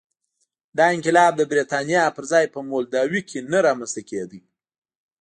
دا انقلاب د برېټانیا پر ځای په مولداوي کې نه رامنځته کېده.